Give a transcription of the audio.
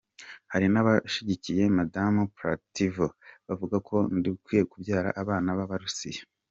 Hari n’abashigikiye Madamu Pletnyova bavuga ngo "dukwiye kubyara abana b’abarusiya".